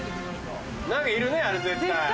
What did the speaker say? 何かいるねあれ絶対。